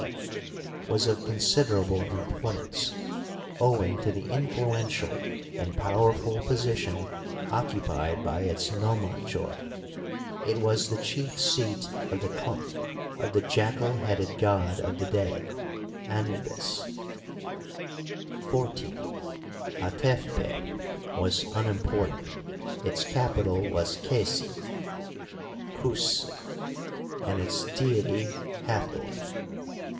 C), was of considerable importance, owmg to the influ ential and powerful position occupied by its nomarchoi ; it was the chief seat of the cult of the jackal headed god of the Dead Anubis, XIV. Atefpeh was unimportant ; its capi tal was Qesi (Cuscb), and its deity Hathor.